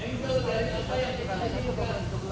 angle dari apa yang kita lakukan